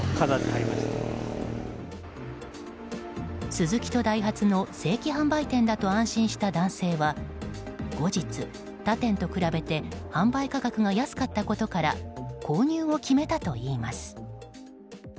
スズキとダイハツの正規販売店だと安心した男性は後日、他店と比べて販売価格が安かったことから購入を決めたといいます。